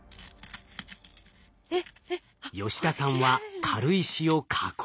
吉田さんは軽石を加工。